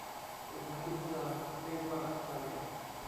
กฎหมายอิสลามเรียกว่าชาริอะฮ์